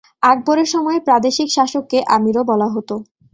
আকবরের সময়ে প্রাদেশিক শাসককে আমীরও বলা হতো।